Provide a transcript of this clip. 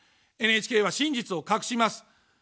ＮＨＫは真実を隠します。